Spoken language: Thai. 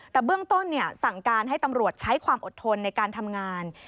แต่เบื้องต้นสั่งการให้ตำรวจใช้ความอดทนในการทำงาน